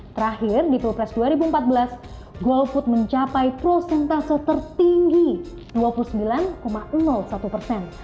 terakhir di pilpres dua ribu empat belas golput mencapai prosentase tertinggi dua puluh sembilan satu persen